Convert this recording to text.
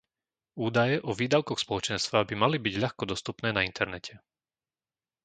Údaje o výdavkoch Spoločenstva by mali byť ľahko dostupné na internete.